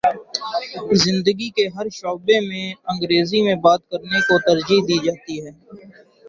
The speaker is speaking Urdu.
زندگی کے ہر شعبے میں انگریزی میں بات کر نے کو ترجیح دی جاتی ہے